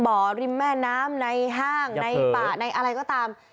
ริมแม่น้ำในห้างในป่าในอะไรก็ตาม